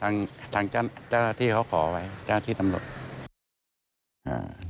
ในฯ่าที่เขาขอไว้จ้างในที่ตำรวจ